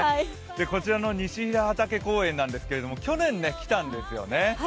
こちらの西平畑公園なんですが去年、来たんですよね。